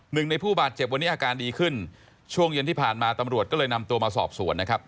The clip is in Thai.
หนึ่งในผู้บาดเจ็บวันนี้อาการดีขึ้นช่วงเย็นที่ผ่านมาตำรวจก็เลยนำตัวมาสอบสวนนะครับ